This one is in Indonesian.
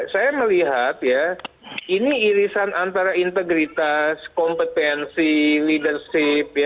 saya melihat ya ini irisan antara integritas kompetensi leadership